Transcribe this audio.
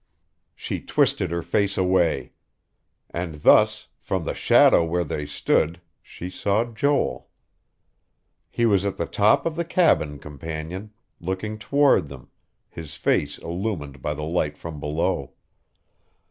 She twisted her face away.... And thus, from the shadow where they stood, she saw Joel. He was at the top of the cabin companion, looking toward them, his face illumined by the light from below.